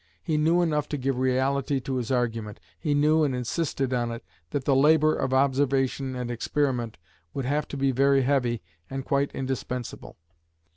He knew enough to give reality to his argument; he knew, and insisted on it, that the labour of observation and experiment would have to be very heavy and quite indispensable.